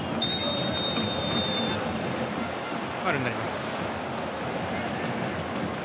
ファウルになります。